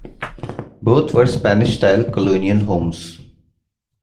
Both were Spanish-style colonial homes.